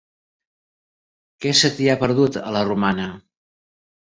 Què se t'hi ha perdut, a la Romana?